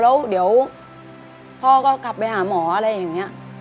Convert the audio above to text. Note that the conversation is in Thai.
แล้วเดี๋ยวพ่อก็กลับไปหาหมออะไรอย่างนี้